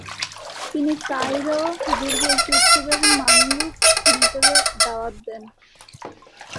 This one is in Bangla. তিনি কায়রো দুর্গে একটি উৎসবে মামলুক নেতাদের দাওয়াত দেন।